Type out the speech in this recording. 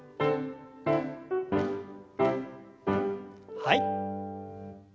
はい。